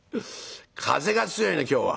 「風が強いね今日は。